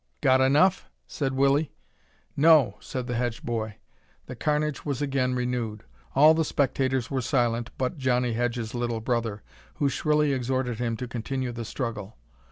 "Got enough?" said Willie. "No," said the Hedge boy. The carnage was again renewed. All the spectators were silent but Johnnie Hedge's little brother, who shrilly exhorted him to continue the struggle.